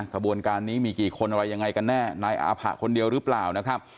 ขบวนการนี้มีกี่คนอะไรยังไงกันแน่นายอาผะคนเดียวหรือเปล่านะครับ